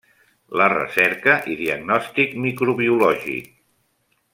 La recerca i diagnòstic microbiològic.